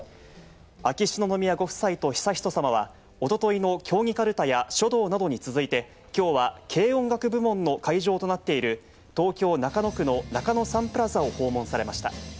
秋篠宮ご夫妻と悠仁さまはおとといの競技かるたや書道などに続いて、きょうは軽音楽部門の会場となっている東京・中野区の中野サンプラザを訪問されました。